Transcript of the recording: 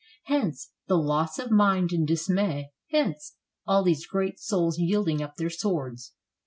Hence, the loss of mind in dismay; hence, all these great souls yield ing up their swords.